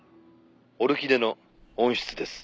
「オルキデの温室です」